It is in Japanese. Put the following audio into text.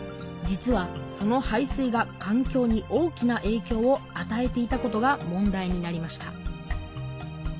実はその排水が環境に大きなえいきょうをあたえていたことが問題になりました